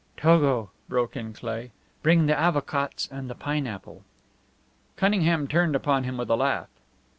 "Togo," broke in Cleigh, "bring the avocats and the pineapple." Cunningham turned upon him with a laugh.